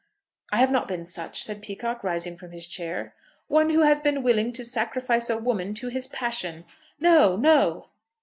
"I have not been such," said Peacocke, rising from his chair. "One who has been willing to sacrifice a woman to his passion." "No; no."